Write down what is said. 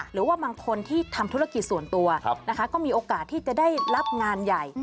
หรือว่าบางคนที่ทำธุรกิจส่วนตัวนะคะก็มีโอกาสที่จะได้รับงานใหญ่